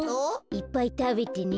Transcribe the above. いっぱいたべてね。